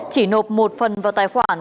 chỉ nộp một phần vào tài khoản